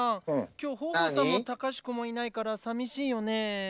今日豊豊さんも隆子もいないからさみしいよね。